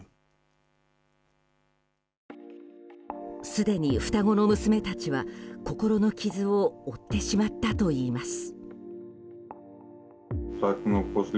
すでに、双子の娘たちは心の傷を負ってしまったといいます。